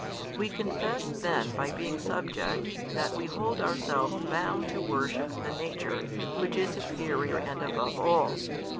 We confess then by being subject that we hold ourselves bound to worship the Nature which is superior and above all.